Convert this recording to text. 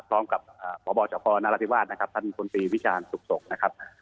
พร้อมกับพบชนรัฐิวาสท่านคุณฟิวิชาณศุกร์